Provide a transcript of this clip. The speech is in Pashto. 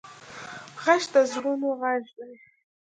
غږ د زړونو غږ دی